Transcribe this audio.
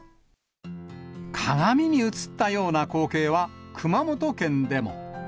鏡に映ったような光景は、熊本県でも。